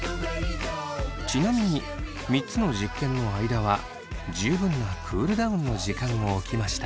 ちなみに３つの実験の間は十分なクールダウンの時間を置きました。